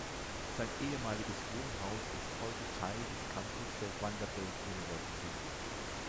Sein ehemaliges Wohnhaus ist heute Teil des Campus der Vanderbilt University.